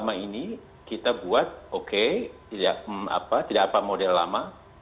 kan aktivitas simpiran itu bagus